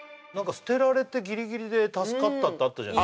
捨てられてギリギリで助かったってあったじゃないですか